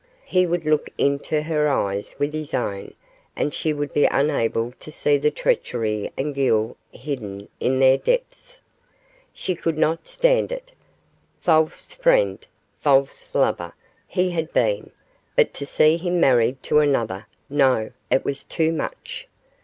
He would look into her eyes with his own, and she would be unable to see the treachery and guile hidden in their depths. She could not stand it. False friend, false lover, he had been, but to see him married to another no! it was too much.